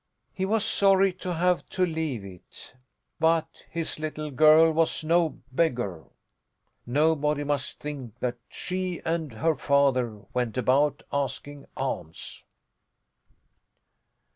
He was sorry to have to leave it. But his little girl was no beggar! Nobody must think that she and her father went about asking alms.